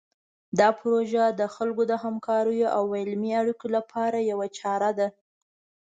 دا پروژه د خلکو د همکاریو او علمي اړیکو لپاره یوه چاره ده.